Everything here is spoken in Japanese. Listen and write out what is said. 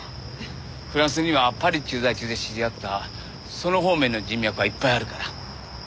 フランスにはパリ駐在中に知り合ったその方面の人脈がいっぱいあるから安心しなさい。